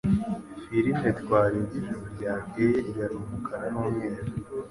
Filime twarebye ijoro ryakeye yari umukara n'umweru